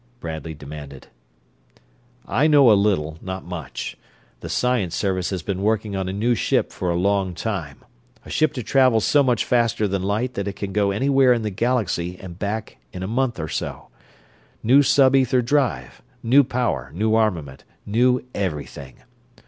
Bradley demanded. "I know a little; not much. The Science Service has been working on a new ship for a long time; a ship to travel so much faster than light that it can go anywhere in the Galaxy and back in a month or so. New sub ether drive, new power, new armament, new everything.